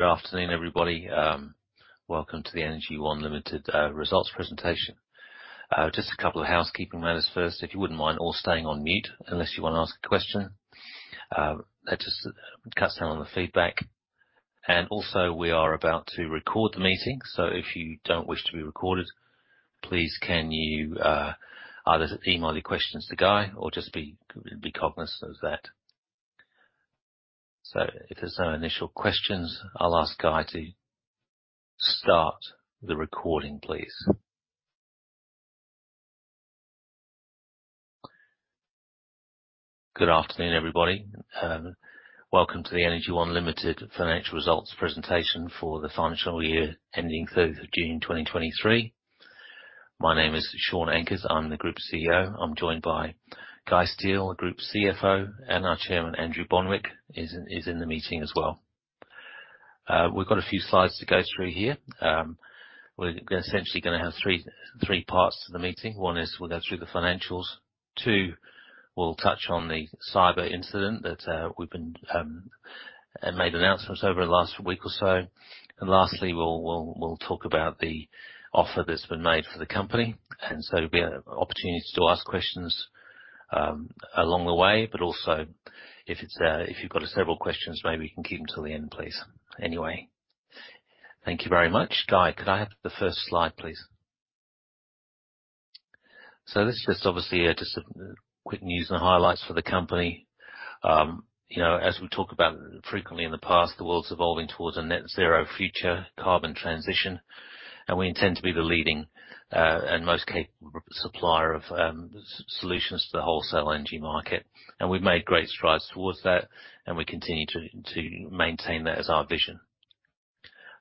Good afternoon, everybody. Welcome to the Energy One Limited results presentation. Just a couple of housekeeping matters first. If you wouldn't mind all staying on mute unless you wanna ask a question, that just cuts down on the feedback. And also, we are about to record the meeting, so if you don't wish to be recorded, please can you either email your questions to Guy or just be cognizant of that. So if there's no initial questions, I'll ask Guy to start the recording, please. Good afternoon, everybody. Welcome to the Energy One Limited financial results presentation for the financial year ending 30th of June 2023. My name is Shaun Ankers, I'm the Group CEO. I'm joined by Guy Steel, the Group CFO, and our Chairman, Andrew Bonwick, is in the meeting as well. We've got a few slides to go through here. We're essentially gonna have three parts to the meeting. One is we'll go through the financials. Two, we'll touch on the cyber incident that we've made announcements over the last week or so. And lastly, we'll talk about the offer that's been made for the company. And so there'll be an opportunity to ask questions along the way, but also if you've got several questions, maybe you can keep them till the end, please. Anyway, thank you very much. Guy, could I have the first slide, please? So this is just obviously just some quick news and highlights for the company. You know, as we talked about frequently in the past, the world's evolving towards a net zero future carbon transition, and we intend to be the leading and most capable supplier of solutions to the wholesale energy market. And we've made great strides towards that, and we continue to maintain that as our vision.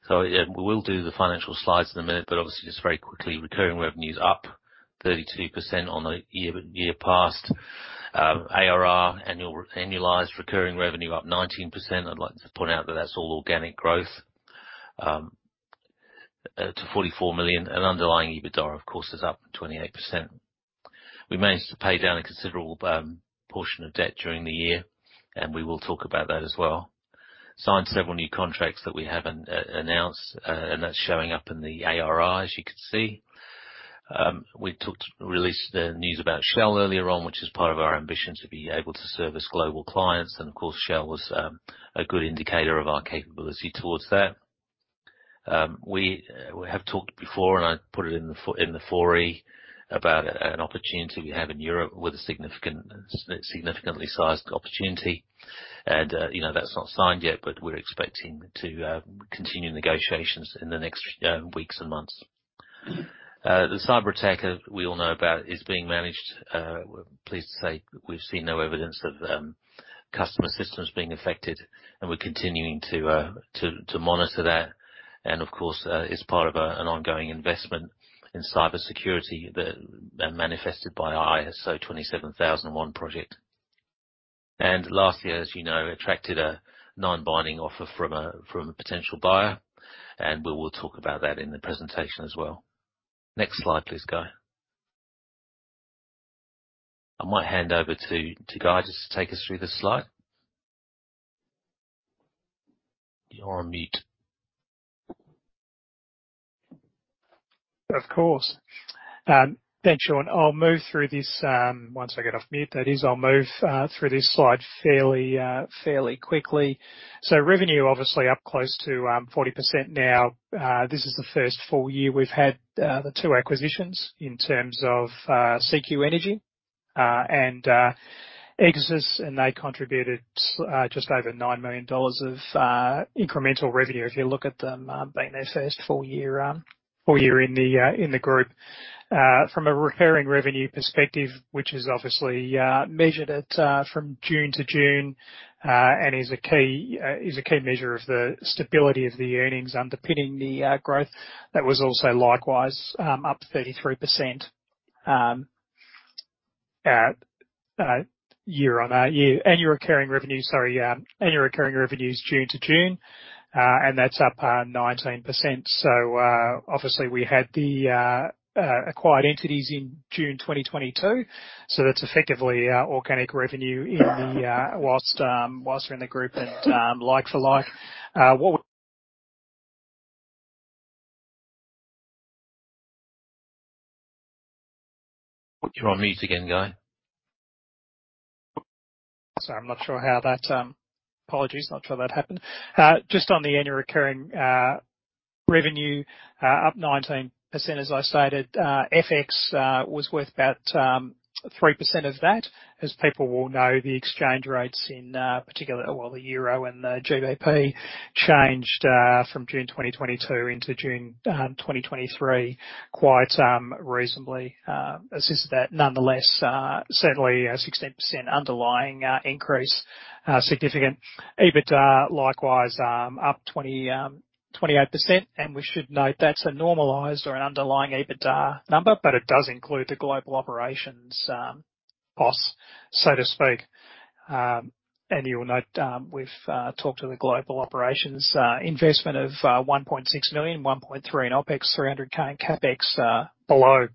So, yeah, we will do the financial slides in a minute, but obviously, just very quickly, recurring revenue is up 32% on the year year past. ARR, annualized recurring revenue up 19%. I'd like to point out that that's all organic growth to 44 million, and underlying EBITDA, of course, is up 28%. We managed to pay down a considerable portion of debt during the year, and we will talk about that as well. Signed several new contracts that we haven't announced, and that's showing up in the ARR, as you can see. We released the news about Shell earlier on, which is part of our ambition to be able to service global clients. And of course, Shell was a good indicator of our capability towards that. We have talked before, and I put it in the 4E, about an opportunity we have in Europe with a significant, significantly sized opportunity. You know, that's not signed yet, but we're expecting to continue negotiations in the next weeks and months. The cyberattack, as we all know about, is being managed. We're pleased to say we've seen no evidence of customer systems being affected, and we're continuing to monitor that. And of course, it's part of an ongoing investment in cybersecurity that are manifested by our ISO 27001 project. And last year, as you know, attracted a non-binding offer from a potential buyer, and we will talk about that in the presentation as well. Next slide please, Guy. I might hand over to Guy, just to take us through this slide. You're on mute. Of course. Thanks, Shaun. I'll move through this once I get off mute that is. I'll move through this slide fairly quickly. So revenue obviously up close to 40% now. This is the first full year we've had the two acquisitions in terms of CQ Energy and Egssis, and they contributed just over 9 million dollars of incremental revenue. If you look at them being their first full year in the group. From a recurring revenue perspective, which is obviously measured from June to June and is a key measure of the stability of the earnings underpinning the growth. That was also likewise up 33% year-on-year. Annual recurring revenue, sorry, annual recurring revenues June to June, and that's up 19%. So, obviously we had the acquired entities in June 2022, so that's effectively organic revenue in the whilst, whilst we're in the group and, like for like, what would. You're on mute again, Guy. Sorry, I'm not sure how that... Apologies, not sure how that happened. Just on the annual recurring revenue up 19%. As I stated, FX was worth about 3% of that. As people will know, the exchange rates in particular, well, the euro and the GBP changed from June 2022 into June 2023, quite reasonably since that. Nonetheless, certainly a 16% underlying increase, significant. EBITDA, likewise, up 28%, and we should note that's a normalized or an underlying EBITDA number, but it does include the global operations costs, so to speak. And you'll note, we've talked to the global operations investment of 1.6 million, 1.3 million in OpEx, 300 thousand in CapEx, below.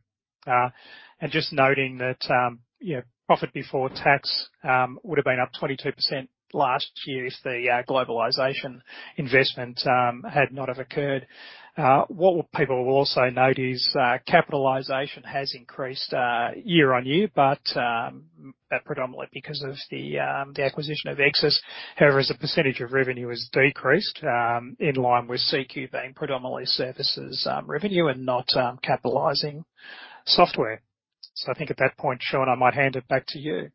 And just noting that, profit before tax would have been up 22% last year if the globalization investment had not have occurred. What people will also note is that capitalization has increased year-on-year, but that predominantly because of the acquisition of Egssis. However, as a percentage of revenue has decreased in line with CQ being predominantly services revenue and not capitalizing software. So I think at that point, Shaun, I might hand it back to you.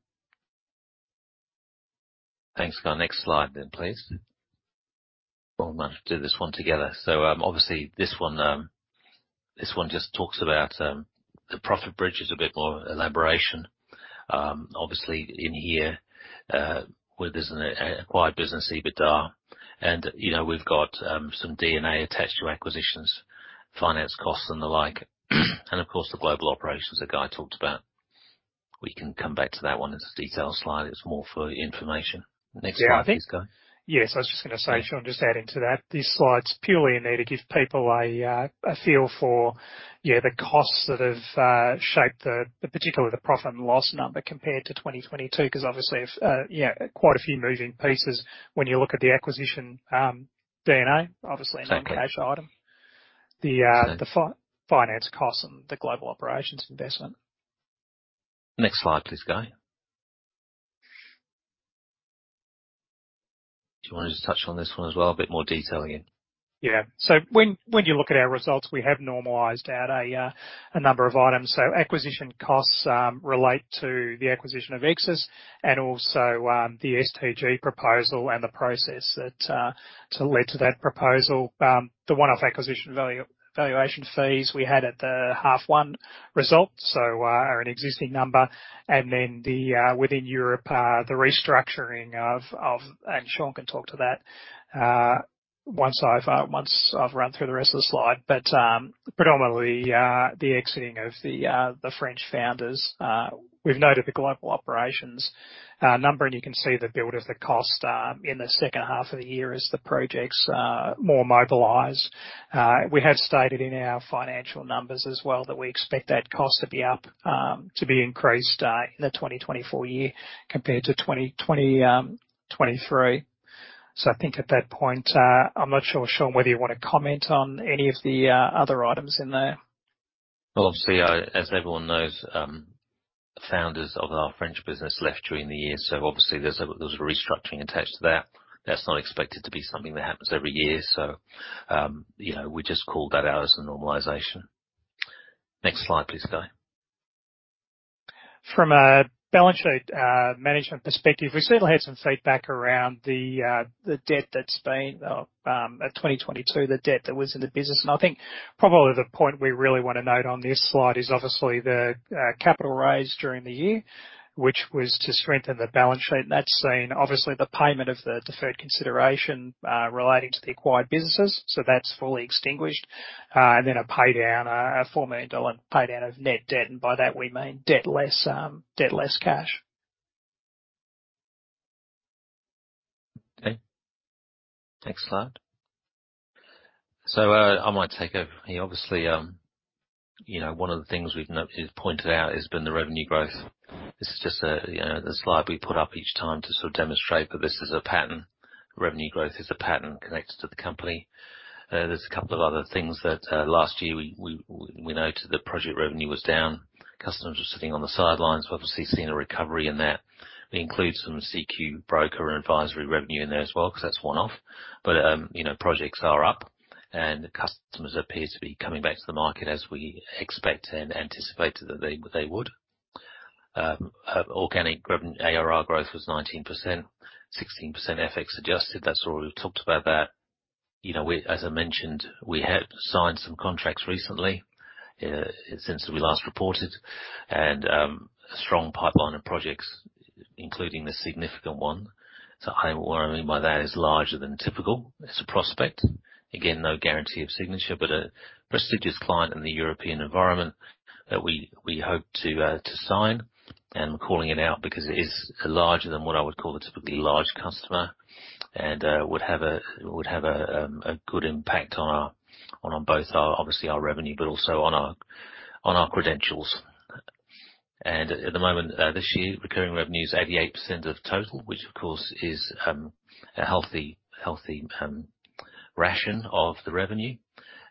Thanks, Guy. Next slide then, please. Well, might do this one together. So, obviously this one, this one just talks about the profit bridge is a bit more elaboration. Obviously in here, where there's an acquired business, EBITDA, and, you know, we've got some D&A attached to acquisitions, finance costs and the like. And of course, the global operations that Guy talked about. We can come back to that one. It's a detailed slide. It's more for your information. Next slide, please, Guy. Yeah, I think. Yes, I was just gonna say, Shaun, just adding to that, this slide's purely in there to give people a feel for, yeah, the costs that have shaped the, particularly the profit and loss number compared to 2022, 'cause obviously, if yeah, quite a few moving pieces when you look at the acquisition, D&A, obviously non-cash item. The finance costs and the global operations investment. Next slide please, Guy. Do you want to just touch on this one as well? A bit more detail again. Yeah. So when you look at our results, we have normalized out a number of items. So acquisition costs relate to the acquisition of Egssis and also the STG proposal and the process that led to that proposal. The one-off acquisition valuation fees we had at the half one result, so are an existing number. And then within Europe the restructuring of... And Shaun can talk to that once I've run through the rest of the slide. But predominantly the exiting of the French founders. We've noted the global operations number, and you can see the build of the cost in the second half of the year as the projects more mobilize. We have stated in our financial numbers as well, that we expect that cost to be up, to be increased, in the 2024 year compared to 2023. So I think at that point, I'm not sure, Shaun, whether you want to comment on any of the other items in there? Well, obviously, as everyone knows, founders of our French business left during the year, so obviously there's a, there was a restructuring attached to that. That's not expected to be something that happens every year, so, you know, we just called that out as a normalization. Next slide, please, Guy. From a balance sheet management perspective, we certainly had some feedback around the debt that's been at 2022, the debt that was in the business. I think probably the point we really want to note on this slide is obviously the capital raise during the year, which was to strengthen the balance sheet. That's seen obviously the payment of the deferred consideration relating to the acquired businesses, so that's fully extinguished. And then a pay down, a 4 million dollar pay down of net debt, and by that we mean debt less debt less cash. Okay, next slide. So, I might take over. Obviously, you know, one of the things we've noted has been the revenue growth. This is just a, you know, the slide we put up each time to sort of demonstrate that this is a pattern. Revenue growth is a pattern connected to the company. There's a couple of other things that, last year, we noted that project revenue was down. Customers were sitting on the sidelines. We've obviously seen a recovery in that. We include some CQ broker and advisory revenue in there as well, because that's one-off. But, you know, projects are up, and the customers appear to be coming back to the market as we expect and anticipated that they would. Organic ARR growth was 19%, 16% FX adjusted. That's all we've talked about that. You know, we as I mentioned, we have signed some contracts recently, since we last reported, and a strong pipeline of projects, including the significant one. So what I mean by that is larger than typical. It's a prospect. Again, no guarantee of signature, but a prestigious client in the European environment that we hope to sign. And we're calling it out because it is larger than what I would call a typically large customer, and would have a good impact on both our, obviously our revenue, but also on our credentials. And at the moment, this year, recurring revenue is 88% of total, which of course is a healthy ratio of the revenue.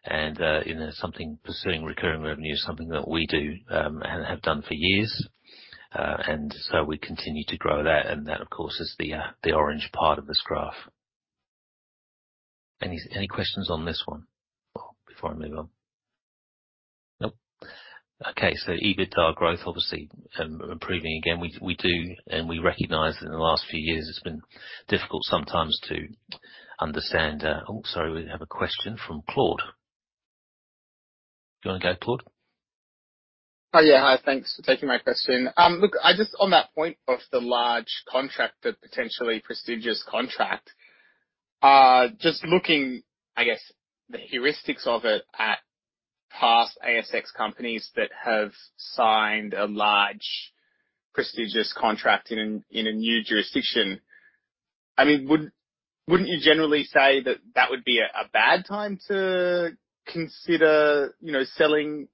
And, you know, pursuing recurring revenue is something that we do, and have done for years. And so we continue to grow that, and that, of course, is the orange part of this graph. Any questions on this one before I move on? Nope. Okay, so EBITDA growth, obviously, improving again. We do, and we recognize that in the last few years it's been difficult sometimes to understand... Oh, sorry, we have a question from Claude. Do you want to go, Claude? Yeah. Hi, thanks for taking my question. Look, I just on that point of the large contract, the potentially prestigious contract, just looking, I guess, the heuristics of it at past ASX companies that have signed a large, prestigious contract in a new jurisdiction. I mean, wouldn't you generally say that that would be a bad time to consider, you know, selling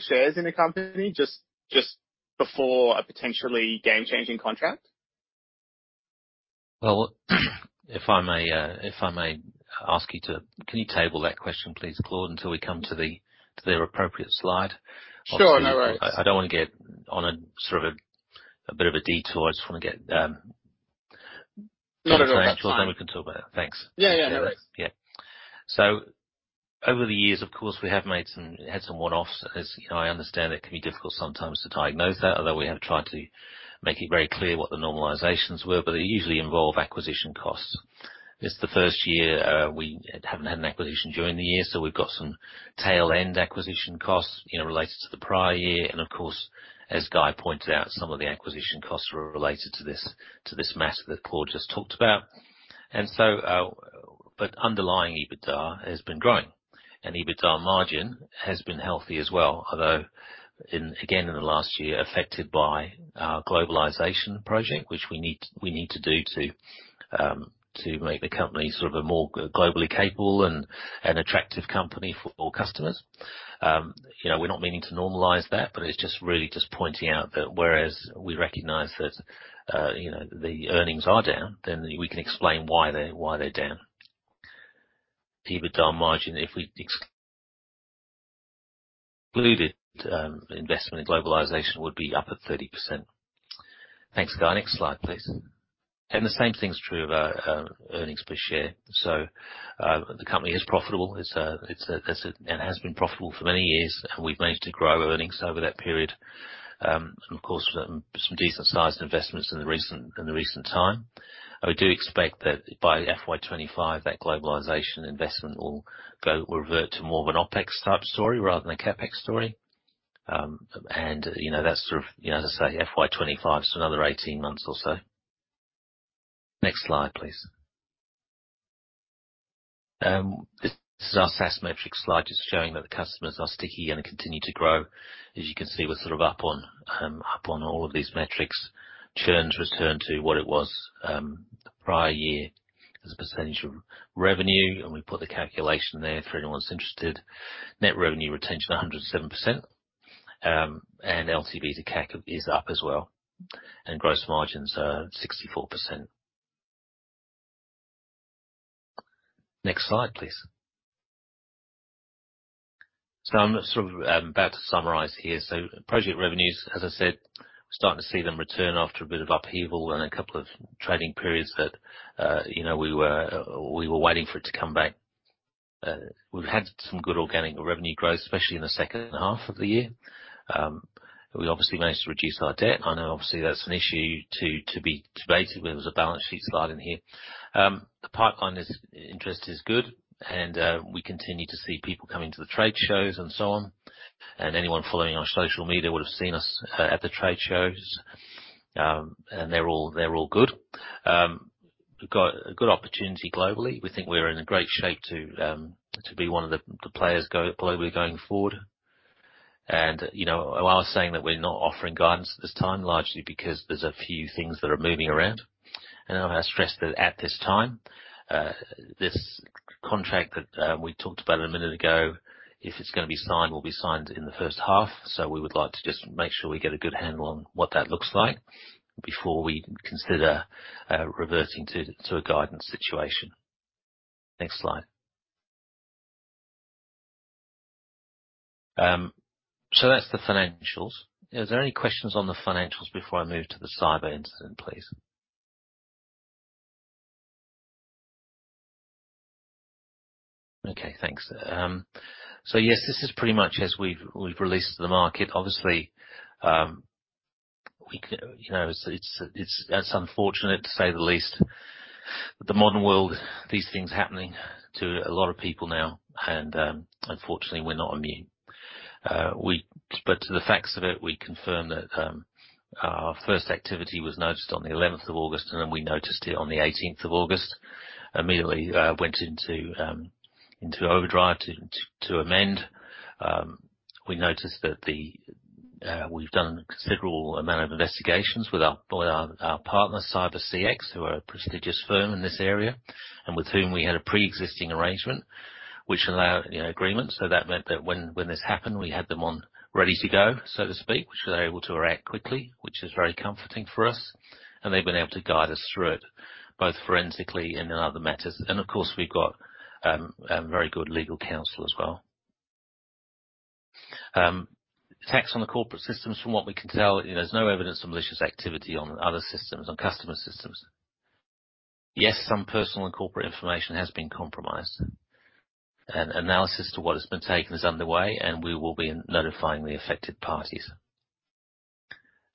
shares in a company just before a potentially game-changing contract? Well, if I may ask you to, can you table that question, please, Claude, until we come to the appropriate slide? Sure. No worries. I don't want to get on a sort of a bit of a detour. I just want to get- No, no, no. That's fine. Then we can talk about it. Thanks. Yeah, yeah. No worries. Yeah. So over the years, of course, we have had some one-offs. As I understand, it can be difficult sometimes to diagnose that, although we have tried to make it very clear what the normalizations were, but they usually involve acquisition costs. This is the first year we haven't had an acquisition during the year, so we've got some tail-end acquisition costs, you know, related to the prior year. And of course, as Guy pointed out, some of the acquisition costs were related to this, to this mass that Claude just talked about. But underlying EBITDA has been growing, and EBITDA margin has been healthy as well, although again in the last year, affected by our globalization project, which we need to do to make the company sort of a more globally capable and attractive company for all customers. You know, we're not meaning to normalize that, but it's just really just pointing out that whereas we recognize that, you know, the earnings are down, then we can explain why they, why they're down. The EBITDA margin, if we included investment in globalization, would be up at 30%. Thanks, Guy. Next slide, please. And the same thing is true of our earnings per share. So, the company is profitable. It has been profitable for many years, and we've managed to grow earnings over that period. And of course, some decent-sized investments in the recent time. I do expect that by FY 2025, that globalization investment will revert to more of an OpEx-type story rather than a CapEx story. And, you know, that's sort of, you know, as I say, FY 2025, so another 18 months or so. Next slide, please. This is our SaaS metrics slide, just showing that the customers are sticky and continue to grow. As you can see, we're sort of up on all of these metrics. Churn's returned to what it was, the prior year as a percentage of revenue, and we put the calculation there for anyone who's interested. Net revenue retention, 107%. And LTV to CAC is up as well, and gross margins are 64%. Next slide, please. So I'm sort of about to summarize here. So project revenues, as I said, we're starting to see them return after a bit of upheaval and a couple of trading periods that, you know, we were waiting for it to come back. We've had some good organic revenue growth, especially in the second half of the year. We obviously managed to reduce our debt. I know obviously that's an issue to be debated when there's a balance sheet slide in here. The pipeline is... interest is good, and we continue to see people coming to the trade shows and so on. Anyone following on social media would have seen us at the trade shows, and they're all good. We've got a good opportunity globally. We think we're in a great shape to be one of the players globally going forward. And, you know, I was saying that we're not offering guidance at this time, largely because there's a few things that are moving around. And I wanna stress that at this time, this contract that we talked about a minute ago, if it's gonna be signed, will be signed in the first half. So we would like to just make sure we get a good handle on what that looks like before we consider reverting to a guidance situation. Next slide. So that's the financials. Is there any questions on the financials before I move to the cyber incident, please? Okay, thanks. So, yes, this is pretty much as we've released to the market. Obviously, you know, it's unfortunate, to say the least. The modern world, these things happening to a lot of people now, and, unfortunately, we're not immune. But to the facts of it, we confirm that our first activity was noticed on the eleventh of August, and then we noticed it on the eighteenth of August. Immediately, went into overdrive to amend. We noticed that the... we've done a considerable amount of investigations with our partner, CyberCX, who are a prestigious firm in this area, and with whom we had a pre-existing arrangement, which allowed, you know, agreement. So that meant that when this happened, we had them on ready to go, so to speak, which they were able to react quickly, which is very comforting for us. And they've been able to guide us through it, both forensically and in other matters. And of course, we've got a very good legal counsel as well. Attacks on the corporate systems, from what we can tell, you know, there's no evidence of malicious activity on other systems, on customer systems. Yes, some personal and corporate information has been compromised. And analysis to what has been taken is underway, and we will be notifying the affected parties.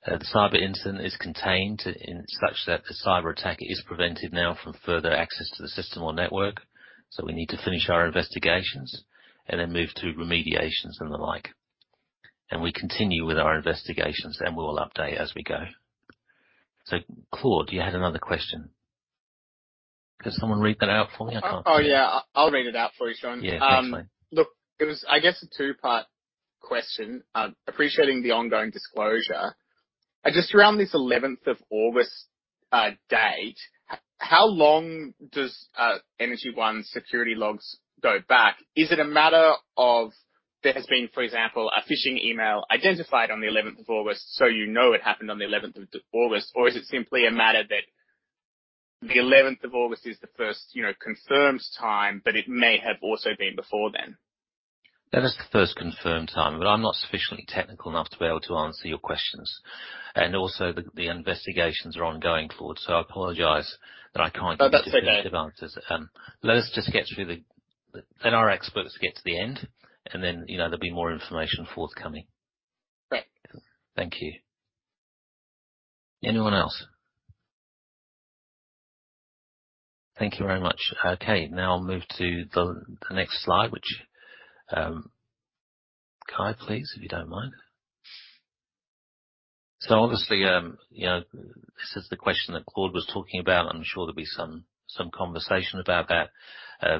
The cyber incident is contained in such that the cyber attack is prevented now from further access to the system or network, so we need to finish our investigations and then move to remediations and the like. We continue with our investigations, and we will update as we go. Claude, you had another question. Could someone read that out for me? Oh, yeah, I'll read it out for you, Shaun. Yeah, thanks. Look, it was, I guess, a two-part question, appreciating the ongoing disclosure. Just around this eleventh of August date, how long does Energy One's security logs go back? Is it a matter of there has been, for example, a phishing email identified on the eleventh of August, so you know it happened on the eleventh of August, or is it simply a matter that the eleventh of August is the first, you know, confirmed time, but it may have also been before then? That is the first confirmed time, but I'm not sufficiently technical enough to be able to answer your questions. And also, the .are ongoing, Claude, so I apologize that I can't give definitive answers. Let us just get through the. Let our experts get to the end, and then, you know, there'll be more information forthcoming. Great. Thank you. Anyone else? Thank you very much. Okay, now I'll move to the next slide, which, Guy, please, if you don't mind. So obviously, you know, this is the question that Claude was talking about. I'm sure there'll be some conversation about that.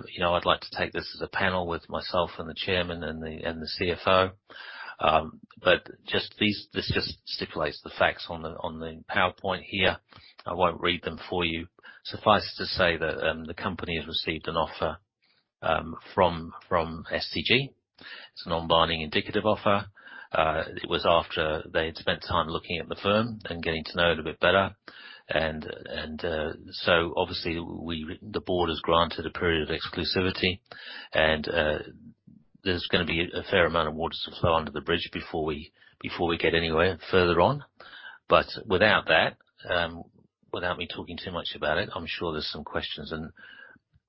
You know, I'd like to take this as a panel with myself and the chairman and the CFO. But this just stipulates the facts on the PowerPoint here. I won't read them for you. Suffice it to say that the company has received an offer from STG. It's a non-binding indicative offer. It was after they had spent time looking at the firm and getting to know it a bit better. So obviously the board has granted a period of exclusivity, and there's gonna be a fair amount of water to flow under the bridge before we, before we get anywhere further on. But without that, without me talking too much about it, I'm sure there's some questions. And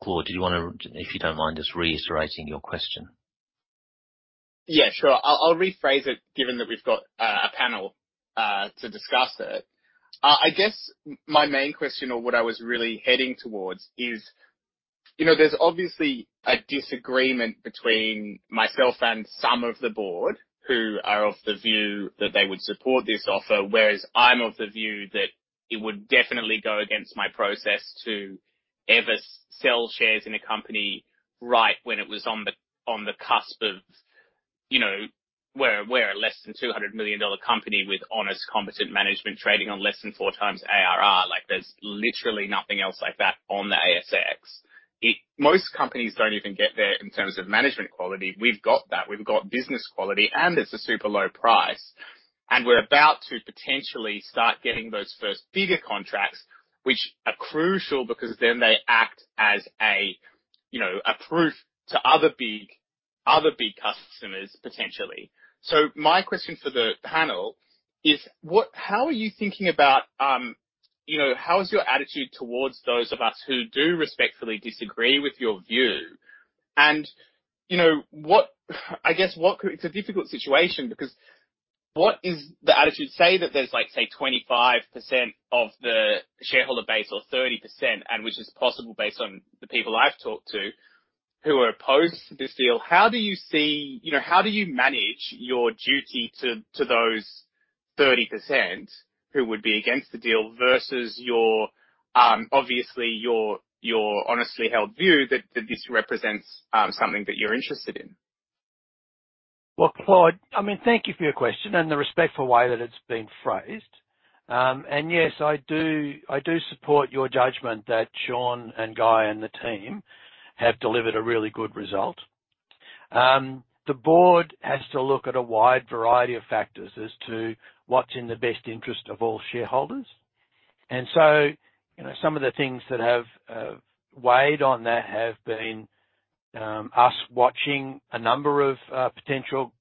Claude, do you wanna, if you don't mind, just reiterating your question? Yeah, sure. I'll rephrase it, given that we've got a panel to discuss it. I guess my main question, or what I was really heading towards, is, you know, there's obviously a disagreement between myself and some of the board, who are of the view that they would support this offer. Whereas I'm of the view that it would definitely go against my process to ever sell shares in a company right when it was on the cusp of, you know... We're a less than 200 million dollar company with honest, competent management, trading on less than 4x ARR. Like, there's literally nothing else like that on the ASX. Most companies don't even get there in terms of management quality. We've got that. We've got business quality, and it's a super low price. And we're about to potentially start getting those first bigger contracts, which are crucial because then they act as a, you know, a proof to other big, other big customers, potentially. So my question for the panel is, what- how are you thinking about, you know, how is your attitude towards those of us who do respectfully disagree with your view? And, you know, what, I guess what could... It's a difficult situation because what is the attitude? Say that there's like, say, 25% of the shareholder base, or 30%, and which is possible based on the people I've talked to, who are opposed to this deal. How do you see, you know, how do you manage your duty to those 30% who would be against the deal versus your, obviously, your honestly held view that this represents something that you're interested in? Well, Claude, I mean, thank you for your question and the respectful way that it's been phrased. And yes, I do, I do support your judgment that Shaun and Guy and the team have delivered a really good result. The board has to look at a wide variety of factors as to what's in the best interest of all shareholders. And so, you know, some of the things that have weighed on that have been us watching a number of potential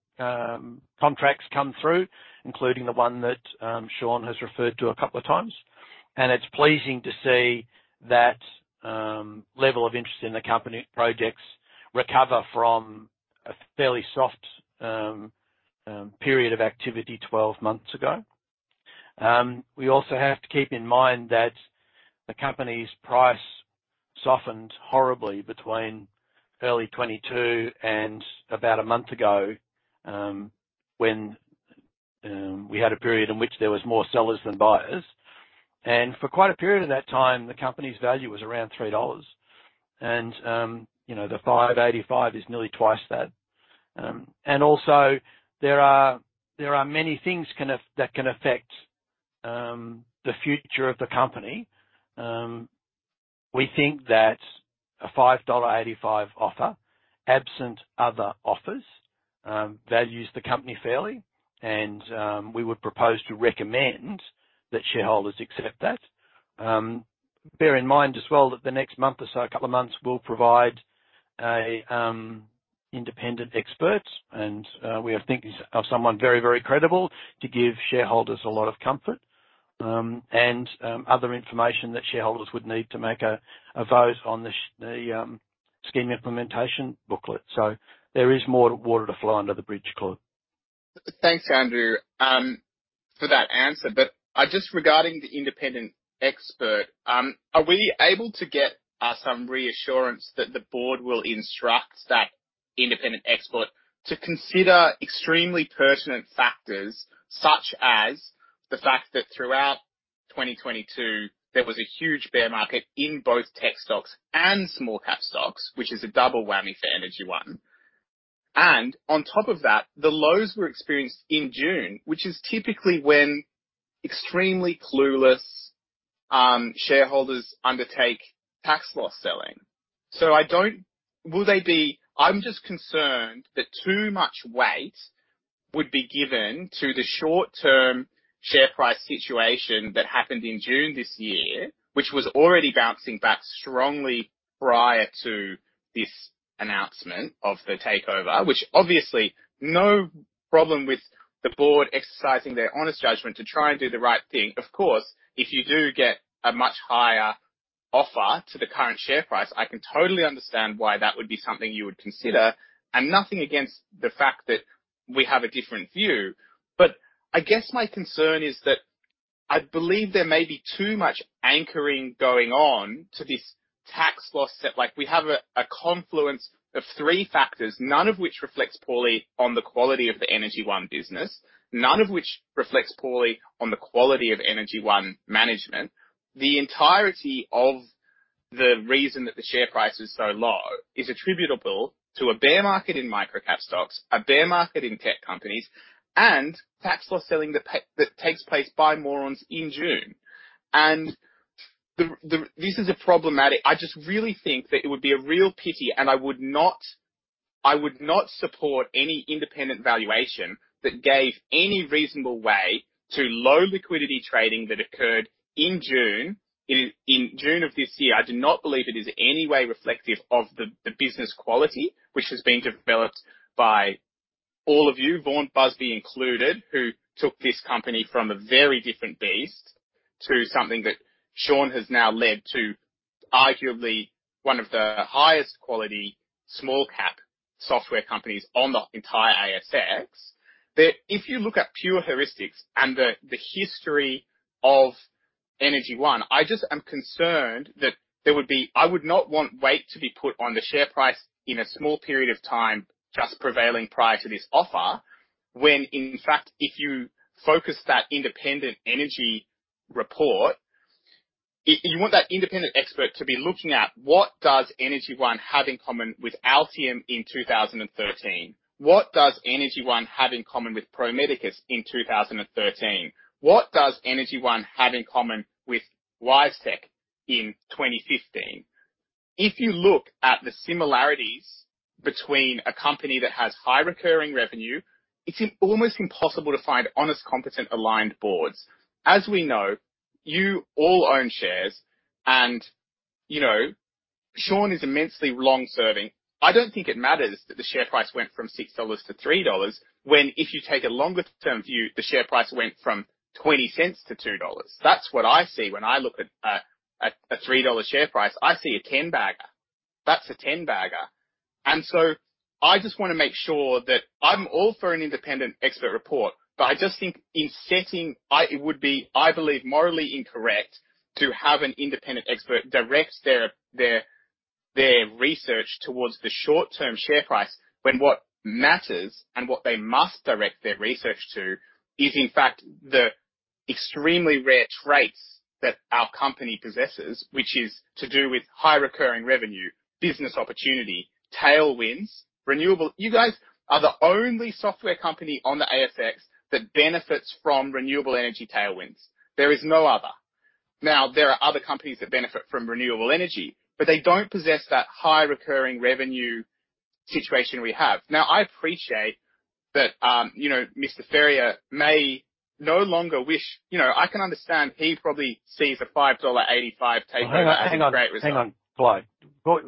contracts come through, including the one that Shaun has referred to a couple of times. And it's pleasing to see that level of interest in the company projects recover from a fairly soft period of activity 12 months ago. We also have to keep in mind that the company's price softened horribly between early 2022 and about a month ago, when we had a period in which there was more sellers than buyers. And for quite a period of that time, the company's value was around 3 dollars. And, you know, the 5.85 is nearly twice that. And also, there are many things that can affect the future of the company. We think that a 5.85 dollar offer, absent other offers, values the company fairly, and we would propose to recommend that shareholders accept that. Bear in mind as well that the next month or so, a couple of months, we'll provide a independent expert, and we are thinking of someone very, very credible to give shareholders a lot of comfort, and other information that shareholders would need to make a vote on the scheme implementation booklet. So there is more water to flow under the bridge, Claude. Thanks, Andrew, for that answer. But just regarding the independent expert, are we able to get some reassurance that the board will instruct that independent expert to consider extremely pertinent factors, such as the fact that throughout 2022, there was a huge bear market in both tech stocks and small cap stocks, which is a double whammy for Energy One. And on top of that, the lows were experienced in June, which is typically when extremely clueless shareholders undertake tax loss selling. Will they be... I'm just concerned that too much weight would be given to the short-term share price situation that happened in June this year, which was already bouncing back strongly prior to this announcement of the takeover. Which, obviously, no problem with the board exercising their honest judgment to try and do the right thing. Of course, if you do get a much higher offer to the current share price, I can totally understand why that would be something you would consider. And nothing against the fact that we have a different view. But I guess my concern is that I believe there may be too much anchoring going on to this tax loss, that, like, we have a confluence of three factors, none of which reflects poorly on the quality of the Energy One business, none of which reflects poorly on the quality of Energy One management. The entirety of the reason that the share price is so low is attributable to a bear market in microcap stocks, a bear market in tech companies, and tax loss selling that takes place by morons in June. And this is a problematic. I just really think that it would be a real pity, and I would not, I would not support any independent valuation that gave any reasonable weight to low liquidity trading that occurred in June of this year. I do not believe it is any way reflective of the business quality which has been developed by all of you, Vaughan Busby included, who took this company from a very different beast to something that Shaun has now led to arguably one of the highest quality small-cap software companies on the entire ASX. That if you look at pure heuristics and the history of Energy One, I just am concerned that there would be—I would not want weight to be put on the share price in a small period of time, just prevailing prior to this offer. When in fact, if you focus that independent energy report, you want that independent expert to be looking at what does Energy One have in common with Altium in 2013? What does Energy One have in common with Pro Medicus in 2013? What does Energy One have in common with WiseTech in 2015? If you look at the similarities between a company that has high recurring revenue, it's almost impossible to find honest, competent, aligned boards. As we know, you all own shares, and, you know, Shaun is immensely long-serving. I don't think it matters that the share price went from 6 dollars to 3 dollars, when if you take a longer term view, the share price went from 0.20 to 2 dollars. That's what I see when I look at a 3 dollar share price, I see a ten-bagger. That's a ten-bagger. And so I just want to make sure that I'm all for an independent expert report. But I just think in setting, It would be, I believe, morally incorrect to have an independent expert direct their research towards the short-term share price, when what matters and what they must direct their research to is, in fact, the extremely rare traits that our company possesses, which is to do with high recurring revenue, business opportunity, tailwinds, renewable... You guys are the only software company on the ASX that benefits from renewable energy tailwinds. There is no other. Now, there are other companies that benefit from renewable energy, but they don't possess that high recurring revenue situation we have. Now, I appreciate that, you know, Mr. Ferrier may no longer wish... You know, I can understand he probably sees a 5.85 dollar takeover. Hang on, hang on. As a great result. Hang on, Claude. Well,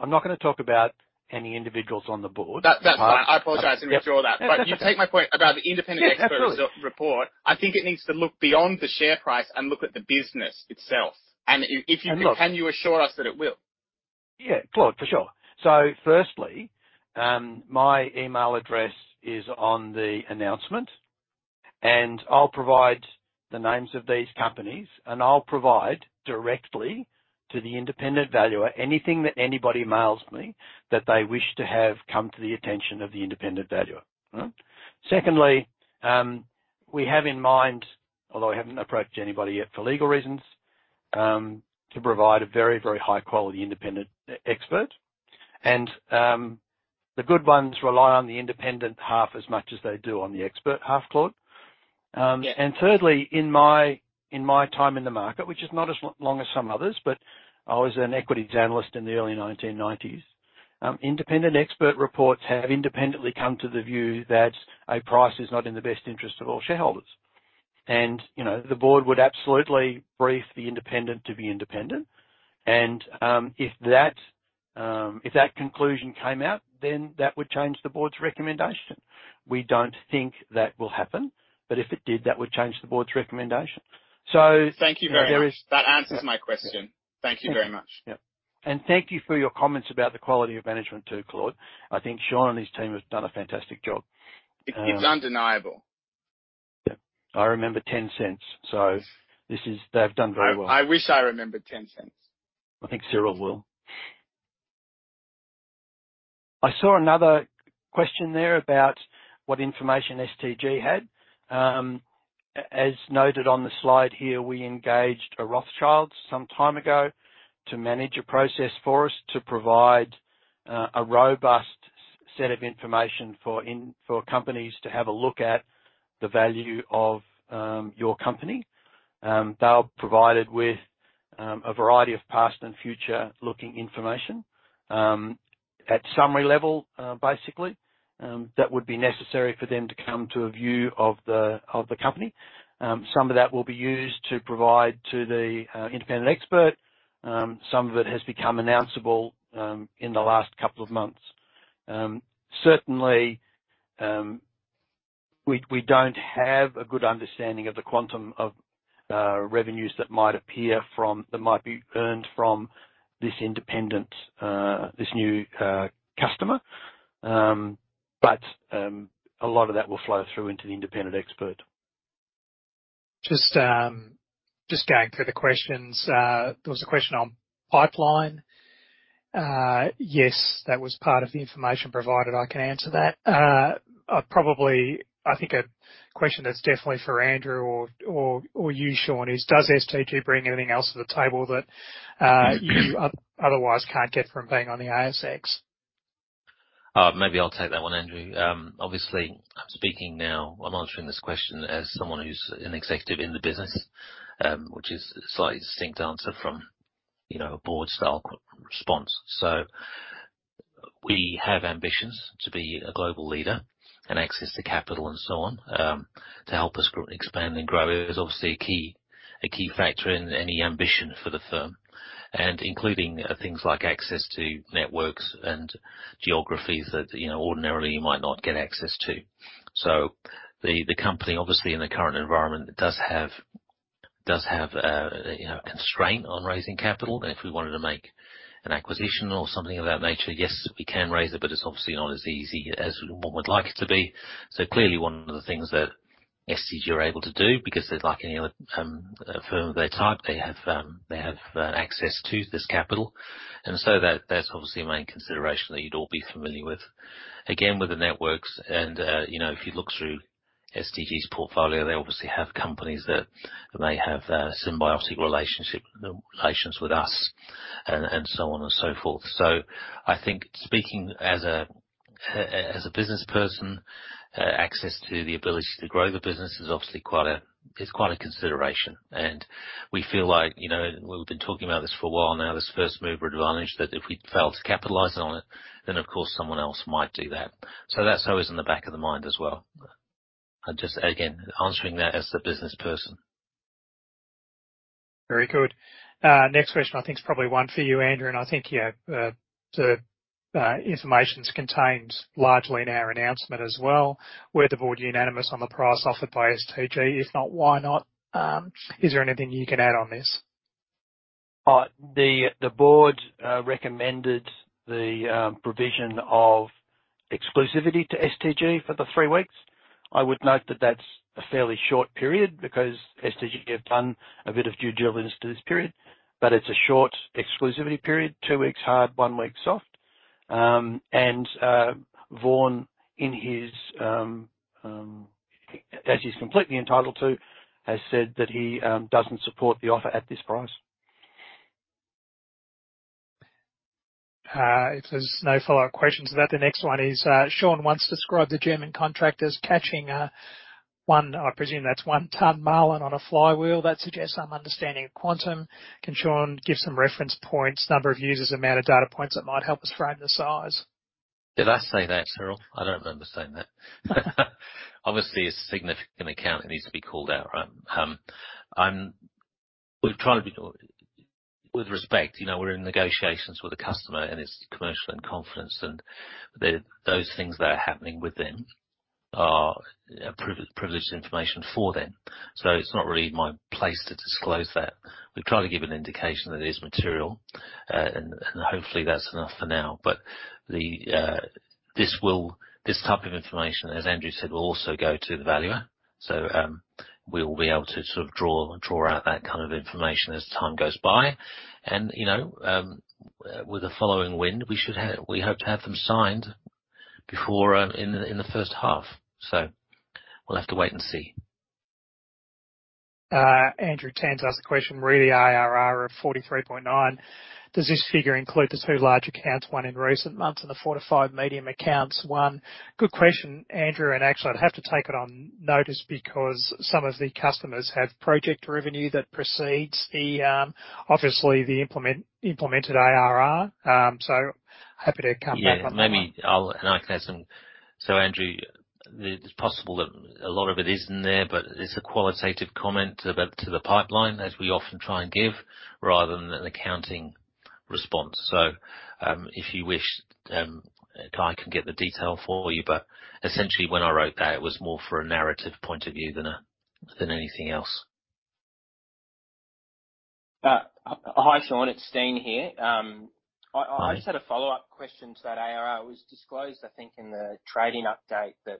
I'm not gonna talk about any individuals on the board. That, that's fine. I apologize, and withdraw that. But you take my point about the independent expert report. I think it needs to look beyond the share price and look at the business itself. And if you can you assure us that it will? Yeah, Claude, for sure. So firstly, my email address is on the announcement, and I'll provide the names of these companies, and I'll provide directly to the independent valuer anything that anybody mails me that they wish to have come to the attention of the independent valuer. Secondly, we have in mind, although I haven't approached anybody yet for legal reasons, to provide a very, very high quality independent expert. And, the good ones rely on the independent half as much as they do on the expert half, Claude. Yeah. And thirdly, in my time in the market, which is not as long as some others, but I was an equities analyst in the early 1990s. Independent expert reports have independently come to the view that a price is not in the best interest of all shareholders. And, you know, the board would absolutely brief the independent to be independent. And, if that conclusion came out, then that would change the board's recommendation. We don't think that will happen, but if it did, that would change the board's recommendation. Thank you very much. That answers my question. Yeah. Thank you very much. Yep. And thank you for your comments about the quality of management, too, Claude. I think Shaun and his team have done a fantastic job. It's undeniable. Yep. I remember 0.10, they've done very well. I wish I remembered 0.10. I think Shaun will. I saw another question there about what information STG had. As noted on the slide here, we engaged a Rothschild some time ago to manage a process for us to provide a robust set of information for companies to have a look at the value of your company. They are provided with a variety of past and future looking information at summary level, basically, that would be necessary for them to come to a view of the company. Some of that will be used to provide to the independent expert. Some of it has become announceable in the last couple of months. Certainly, we don't have a good understanding of the quantum of revenues that might be earned from this new customer. But, a lot of that will flow through into the independent expert. Just going through the questions. There was a question on pipeline. Yes, that was part of the information provided. I can answer that. I think a question that's definitely for Andrew or you, Shaun, is: Does STG bring anything else to the table that you otherwise can't get from being on the ASX? Maybe I'll take that one, Andrew. Obviously, I'm speaking now. I'm answering this question as someone who's an executive in the business, which is a slightly distinct answer from, you know, a board-style response. So we have ambitions to be a global leader and access to capital and so on, to help us grow, expand and grow. It is obviously a key factor in any ambition for the firm, and including things like access to networks and geographies that, you know, ordinarily you might not get access to. So the company, obviously, in the current environment, does have a constraint on raising capital. And if we wanted to make an acquisition or something of that nature, yes, we can raise it, but it's obviously not as easy as one would like it to be. So clearly, one of the things that STG are able to do, because they're like any other, firm of their type, they have, they have, access to this capital. And so that's obviously a main consideration that you'd all be familiar with. Again, with the networks and, you know, if you look through STG's portfolio, they obviously have companies that may have a symbiotic relationship, relations with us and, and so on and so forth. So I think speaking as a, as a businessperson, access to the ability to grow the business is obviously quite a, it's quite a consideration, and we feel like, you know, we've been talking about this for a while now, this first mover advantage, that if we fail to capitalize on it, then of course someone else might do that. That's always in the back of the mind as well. I'm just, again, answering that as the businessperson. Very good. Next question I think is probably one for you, Andrew, and I think, yeah, the information is contained largely in our announcement as well. "Were the board unanimous on the price offered by STG? If not, why not?" Is there anything you can add on this? The board recommended the provision of exclusivity to STG for the three weeks. I would note that that's a fairly short period, because STG have done a bit of due diligence to this period, but it's a short exclusivity period, two weeks hard, one week soft. And Vaughan, in his, as he's completely entitled to, has said that he doesn't support the offer at this price. If there's no follow-up questions to that, the next one is, "Shaun once described the German contract as catching, one," I presume that's one ton marlin, "on a flywheel. That suggests some understanding of quantum. Can Shaun give some reference points, number of users, amount of data points that might help us frame the size? Did I say that, Steel? I don't remember saying that. Obviously, a significant account, it needs to be called out, right? We've tried to be... With respect, you know, we're in negotiations with the customer, and it's commercial in confidence, and those things that are happening with them are privileged information for them. So it's not really my place to disclose that. We've tried to give an indication that it is material, and hopefully that's enough for now. But the... this type of information, as Andrew said, will also go to the valuer. So we will be able to sort of draw out that kind of information as time goes by. And, you know, with the following wind, we should... we hope to have them signed before in the first half. We'll have to wait and see. Andrew Tans asked the question, "Re the IRR of 43.9, does this figure include the two large accounts, 1 in recent months and the four to five medium accounts won?" Good question, Andrew, and actually, I'd have to take it on notice because some of the customers have project revenue that precedes the, obviously, the implemented IRR. So happy to come back on that one. Yeah, maybe I'll... And I can add some. So Andrew, it, it's possible that a lot of it is in there, but it's a qualitative comment about the pipeline, as we often try and give, rather than an accounting response. So, if you wish, I can get the detail for you. But essentially, when I wrote that, it was more for a narrative point of view than a, than anything else. Hi, Shaun, it's Steen here. I Hi. Just had a follow-up question to that ARR. It was disclosed, I think, in the trading update, that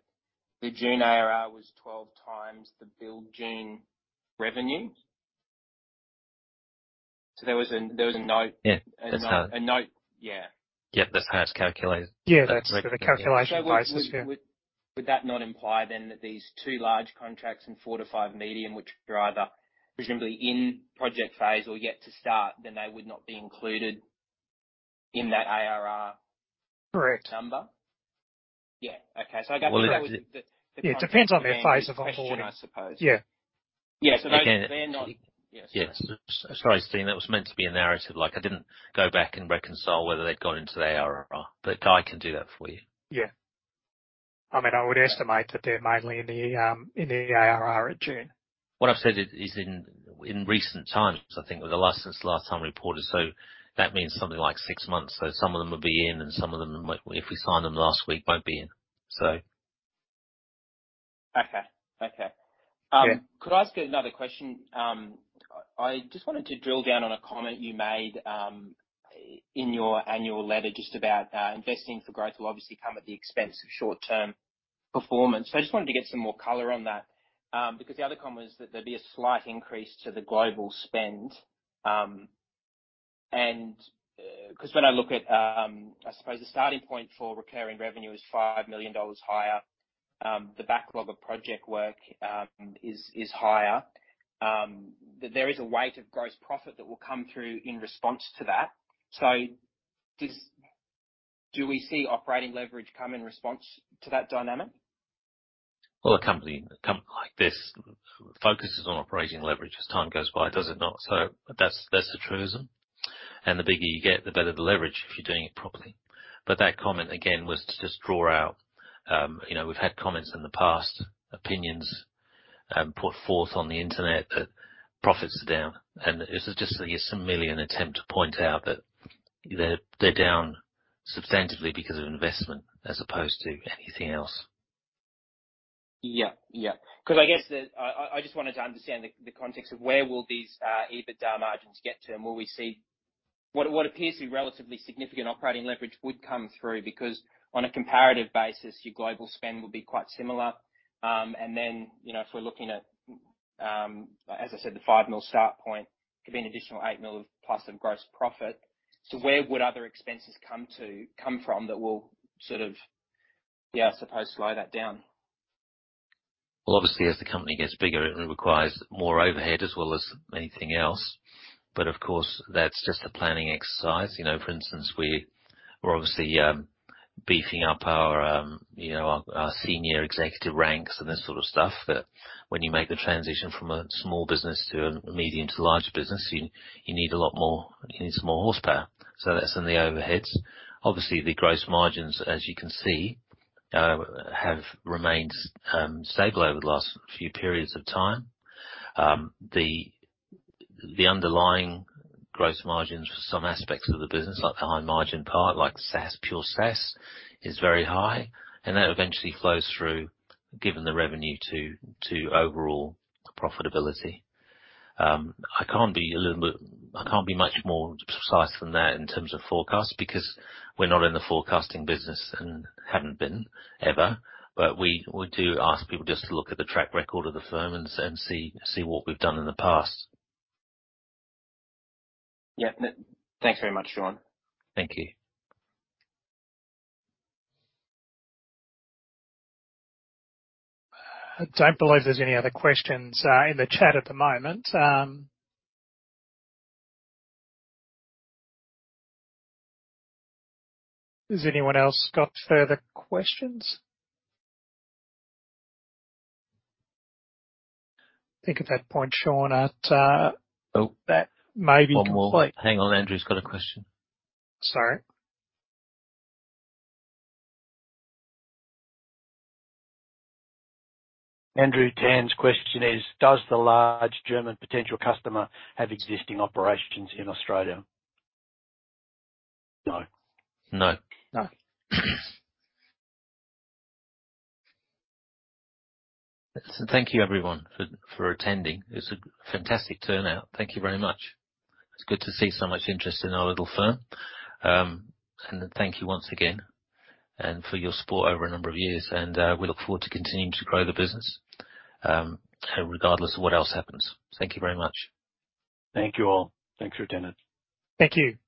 the June ARR was 12 xs the FY June revenue. So there was a note? Yeah. A note. Yeah. Yeah, that's how it's calculated. Yeah, that's the calculation basis. Yeah. Would that not imply then that these two large contracts and four to five medium, which are either presumably in project phase or yet to start, then they would not be included in that ARR- Correct. Yeah. Okay. It depends on their phase of onboarding. Question, I suppose. Yeah. Yeah. Again. They're not... Yes. Yes. Sorry, Stephen, that was meant to be a narrative. Like, I didn't go back and reconcile whether they'd gone into the ARR, but I can do that for you. Yeah. I mean, I would estimate that they're mainly in the ARR at June. What I've said is in recent times, I think, or the last, since last time we reported, so that means something like six months. So some of them will be in, and some of them, like, if we signed them last week, won't be in, so. Okay. Okay. Yeah. Could I ask another question? I just wanted to drill down on a comment you made, in your annual letter just about, investing for growth will obviously come at the expense of short-term performance. So I just wanted to get some more color on that, because the other comment was that there'd be a slight increase to the global spend. And, 'cause when I look at, I suppose the starting point for recurring revenue is 5 million dollars higher, the backlog of project work is higher. There is a weight of gross profit that will come through in response to that. So do we see operating leverage come in response to that dynamic? Well, a company, a company like this focuses on operating leverage as time goes by, does it not? So that's a truism. And the bigger you get, the better the leverage, if you're doing it properly. But that comment, again, was to just draw out, you know, we've had comments in the past, opinions put forth on the Internet that profits are down, and this is just a simile, an attempt to point out that they're down substantively because of investment as opposed to anything else. Yeah. Yeah. 'Cause I guess the... I just wanted to understand the context of where will these EBITDA margins get to, and will we see... what appears to be relatively significant operating leverage would come through, because on a comparative basis, your global spend will be quite similar. And then, you know, if we're looking at, as I said, the 5 million start point, could be an additional 8 million plus of gross profit. So where would other expenses come from that will, sort of, yeah, I suppose, slow that down? Well, obviously, as the company gets bigger, it requires more overhead as well as anything else. But of course, that's just a planning exercise. You know, for instance, we're obviously beefing up our, you know, our senior executive ranks and this sort of stuff, that when you make the transition from a small business to a medium to large business, you need a lot more, you need some more horsepower. So that's in the overheads. Obviously, the gross margins, as you can see, have remained stable over the last few periods of time. The underlying gross margins for some aspects of the business, like the high margin part, like SaaS, pure SaaS, is very high, and that eventually flows through, given the revenue to overall profitability. I can't be much more precise than that in terms of forecasts, because we're not in the forecasting business and haven't been ever. But we do ask people just to look at the track record of the firm and see what we've done in the past. Yeah. Thanks very much, Shaun. Thank you. I don't believe there's any other questions in the chat at the moment. Does anyone else got further questions? I think at that point, Shaun, Oh. That may be complete. One more. Hang on, Andrew's got a question. Sorry. Andrew Tan's question is: Does the large German potential customer have existing operations in Australia? No. No. No. Thank you, everyone, for attending. It's a fantastic turnout. Thank you very much. It's good to see so much interest in our little firm. Thank you once again for your support over a number of years. We look forward to continuing to grow the business, regardless of what else happens. Thank you very much. Thank you, all. Thanks, everyone. Thank you.